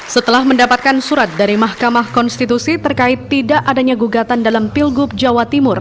setelah mendapatkan surat dari mahkamah konstitusi terkait tidak adanya gugatan dalam pilgub jawa timur